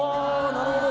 なるほど。